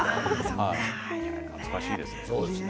懐かしいですね。